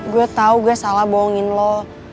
gue tau gue salah bohongin lo